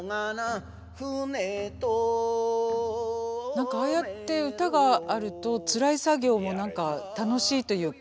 何かああやって唄があるとつらい作業も何か楽しいというか。